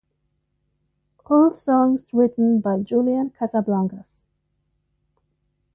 All songs written by Julian Casablancas.